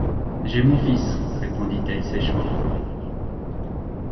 J’ai mon fils, répondit-elle sèchement.